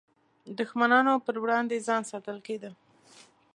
دښمنانو پر وړاندې ځان ساتل کېده.